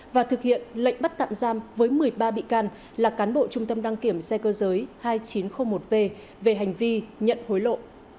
và thực hiện lệnh bắt tạm giam với một mươi ba bị can là cán bộ trung tâm đăng kiểm xe cơ giới hai nghìn chín trăm linh một v về hành vi nhận hối lộ